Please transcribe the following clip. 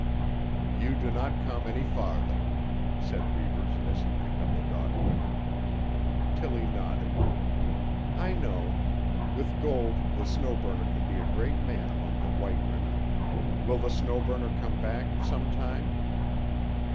"You do not come any farther," said Reivers as he picked up the dog whip. Tillie nodded. "I know. With gold the Snow Burner can be a great man among the white women. Will the Snow Burner come back—some time?"